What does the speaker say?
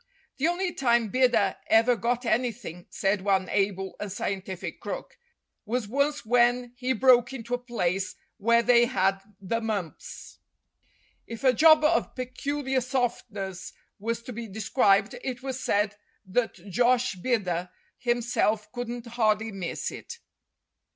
"The only time Bidder ever got anything," said one able and scientific crook, "was once when he broke into a place where they had the mumps." If a job of peculiar softness was to be described, it was said that Josh Bidder himself couldn't hardly miss it.